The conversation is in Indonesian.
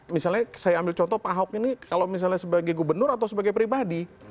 misalnya saya ambil contoh pak ahok ini kalau misalnya sebagai gubernur atau sebagai pribadi